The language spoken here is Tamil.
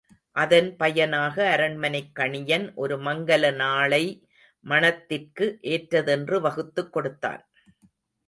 அதன் பயனாக அரண்மனைக் கணியன் ஒரு மங்கல நாளை மணத்திற்கு ஏற்றதென்று வகுத்துக் கொடுத்தான்.